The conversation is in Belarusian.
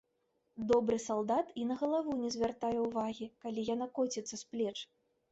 Добры салдат і на галаву не звяртае ўвагі, калі яна коціцца з плеч.